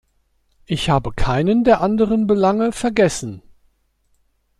Ich habe keinen der anderen Belange vergessen.